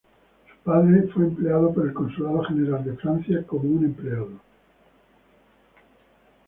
Su padre fue empleado por el Consulado General de Francia como un empleado.